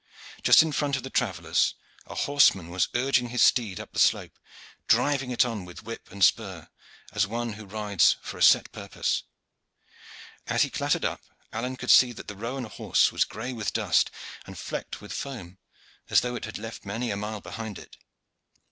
Just in front of the travellers a horseman was urging his steed up the slope, driving it on with whip and spur as one who rides for a set purpose. As he clattered up, Alleyne could see that the roan horse was gray with dust and flecked with foam, as though it had left many a mile behind it.